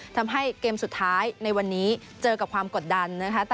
ทำให้เกมสุดท้ายในวันนี้เจอกับความกดดันนะคะ